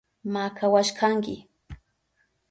Makawashkanki.